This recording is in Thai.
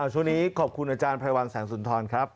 ช่วงนี้ขอบคุณอาจารย์ไพรวัลแสงสุนทรครับ